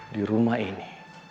di rumah ini